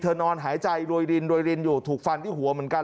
นอนหายใจรวยรินรวยรินอยู่ถูกฟันที่หัวเหมือนกัน